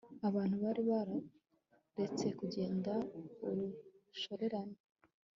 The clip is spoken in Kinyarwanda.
abantu bari bararetse kugenda urushorerane